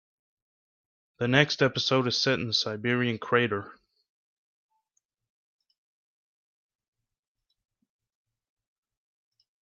The next episode is set in a Siberian crater.